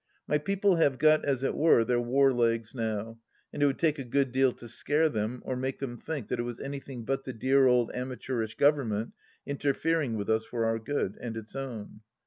My people have got, as it were, their war legs now, and it would take a good deal to scare them, or make them think that it was anything but the dear old Amateurish Govern ment interfering with us for our good — ^and its own.